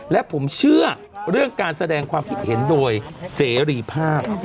และผมเชื่อเรื่องการแสดงความคิดเห็นโดยเสรีภาพ